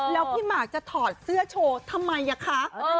แล้วพี่หมากจะถอดเสื้อโชว์ทำไมอ่ะคะ